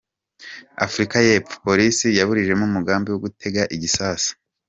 Afurika y’epfo: Polisi yaburijemo umugambi wo gutega igisasu